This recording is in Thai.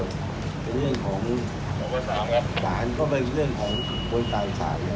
ก็เป็นเรื่องของสารก็เป็นเรื่องของคนต่างสารเนี่ย